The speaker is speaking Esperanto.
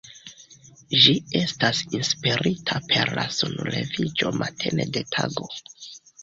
Ĝi estas inspirita per la sunleviĝo matene de tago.